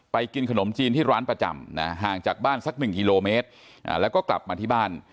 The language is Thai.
กินขนมจีนที่ร้านประจำนะห่างจากบ้านสักหนึ่งกิโลเมตรแล้วก็กลับมาที่บ้าน